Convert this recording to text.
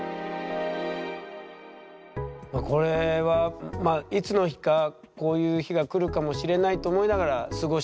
これはいつの日かこういう日がくるかもしれないと思いながら過ごしてた？